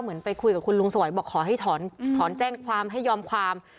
ไปคุยกับคุณลุงสวัยบอกขอให้ถอนแจ้งความให้ยอมความ